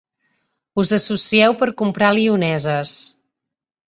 Us associeu per comprar lioneses.